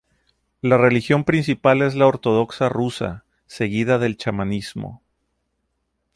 La religión principal es la ortodoxa rusa, seguida del chamanismo.